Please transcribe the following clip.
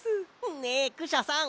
ねえクシャさん